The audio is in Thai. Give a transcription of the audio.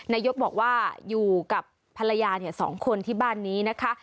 นายกบอกว่าอยู่กับภรรยา๒คนที่บ้านนี้นะคะ